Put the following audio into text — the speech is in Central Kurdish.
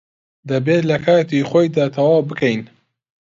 دەبێت لە کاتی خۆیدا تەواو بکەین.